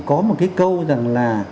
có một cái câu rằng là